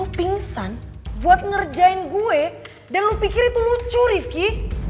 aku pingsan buat ngerjain gue dan lu pikir itu lucu rifki